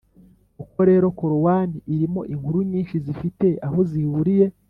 koko rero, korowani irimo inkuru nyinshi zifite aho zihuriye